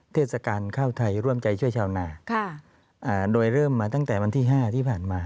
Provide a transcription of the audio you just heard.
เทศกาลข้าวไทยร่วมใจช่วยชาวนาโดยเริ่มมาตั้งแต่วันที่๕ที่ผ่านมา